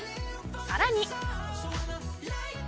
さらに。